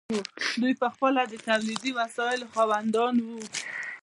دوی پخپله د تولیدي وسایلو خاوندان وو.